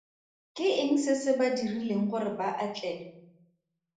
Ke eng se se ba dirileng gore ba atlege?